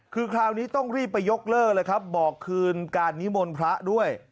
คือคราวนี้ต้องรีบไปยกเลิกเลยครับบอกคืนการนิมนต์พระด้วย